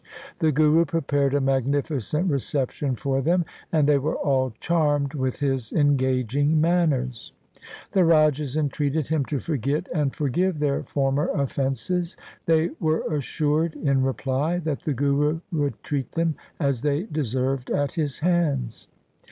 The Guru prepared a magnificent reception for them, and they were all charmed with his engaging manners. The rajas entreated him to forget and forgive their former SIKH. V L 146 THE SIKH RELIGION offences. They were assured in reply that the Guru would treat them as they deserved at his hands.